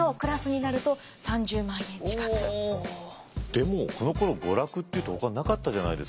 でもこのころ娯楽っていうとほかになかったじゃないですか。